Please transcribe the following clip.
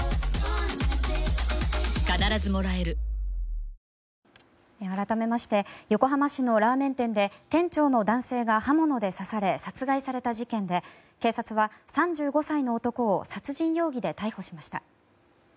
ニトリ改めまして横浜市のラーメン店で店長の男性が刃物で刺され殺害された事件で警察は３５歳の男を殺人容疑で逮捕しました。